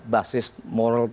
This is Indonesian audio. basis moral tadi